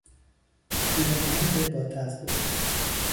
پیرمرد باتقوا